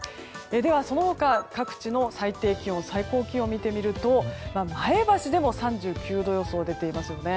その他、各地の最低気温と最高気温を見てみますと前橋でも３９度予想が出ています。